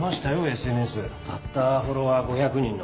ＳＮＳたったフォロワー５００人の。